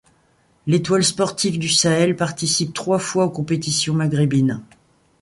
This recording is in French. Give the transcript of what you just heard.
L'Étoile sportive du Sahel participe trois fois aux compétitions maghrébines.